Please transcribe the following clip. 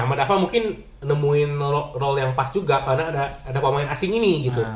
sama dava mungkin nemuin roll yang pas juga karena ada pemain asing ini gitu